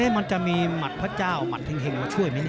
มันจะมีหมัดพระเจ้าหมัดเห็งมาช่วยไหม